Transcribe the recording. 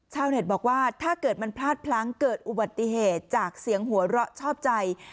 เน็ตบอกว่าถ้าเกิดมันพลาดพลั้งเกิดอุบัติเหตุจากเสียงหัวเราะชอบใจ